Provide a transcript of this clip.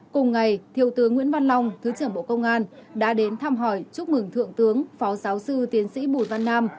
cùng ngày thiều tướng nguyễn văn long thứ trưởng bộ công an đã đến thăm hỏi chúc mừng thượng tướng phó giáo sư tiến sĩ bùi văn nam